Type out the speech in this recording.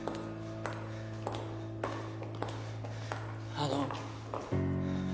あの。